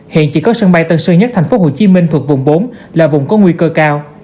hiện chỉ có sân bay tân sơn nhất thành phố hồ chí minh thuộc vùng bốn là vùng có nguy cơ cao